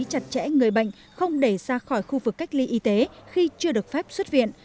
chặt chẽ người bệnh không để ra khỏi khu vực cách ly y tế khi chưa được phép xuất viện